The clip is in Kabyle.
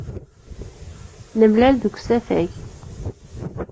Nemlal deg usafag.